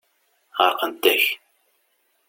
Ɛerqent-ak.